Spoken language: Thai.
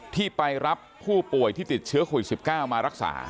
ที่ไปรับผู้ป่วยที่ติดเชื้อโควิด๑๙มารักษา